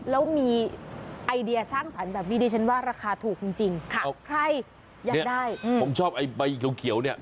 แล้วมีไอเดียสร้างสรรค์แบบนี้ดิฉันว่าราคาถูกจริงใครอยากได้ผมชอบไอ้ใบเขียวเนี่ย